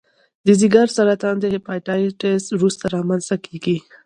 د ځګر سرطان د هپاتایتس وروسته رامنځته کېږي.